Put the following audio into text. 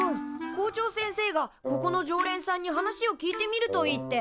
校長先生が「ここの常連さんに話を聞いてみるといい」って。